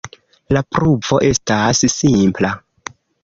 La pruvo estas simpla.